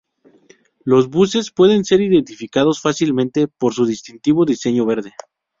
Los buses pueden ser identificados fácilmente por su distintivo diseño verde.